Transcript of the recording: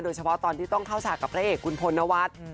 โดยเฉพาะตอนที่ต้องเข้าฉากกับพระเอกคุณพลนวัฒน์